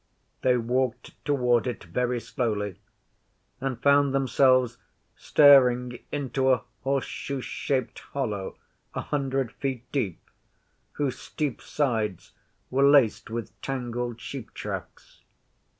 They walked toward it very slowly and found themselves staring into a horseshoe shaped hollow a hundred feet deep, whose steep sides were laced with tangled sheep tracks.